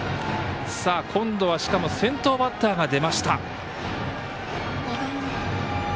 今度は、しかも先頭バッターが出ました。